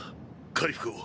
回復を。